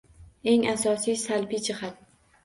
Eng asosiy salbiy jihat